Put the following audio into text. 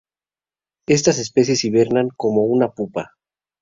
Estas especies hibernan como una pupa.